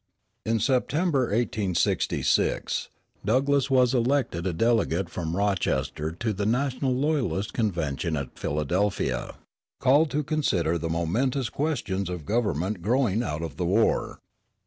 In September, 1866, Douglass was elected a delegate from Rochester to the National Loyalists' Convention at Philadelphia, called to consider the momentous questions of government growing out of the war.